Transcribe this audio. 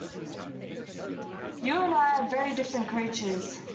You and I are very different creatures.